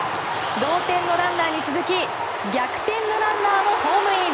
同点のランナーに続き逆転のランナーもホームイン！